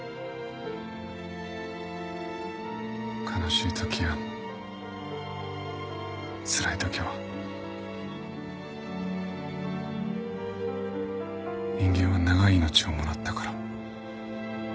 悲しいときやつらいときは「人間は長い命をもらったから」